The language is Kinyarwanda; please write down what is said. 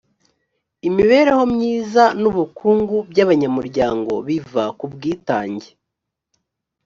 imibereho myiza n’ubukungu by abanyamuryango biva ku bwitage